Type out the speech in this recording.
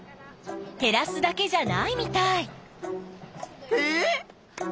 へらすだけじゃないみたい。